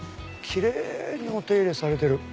キレイにお手入れされてる。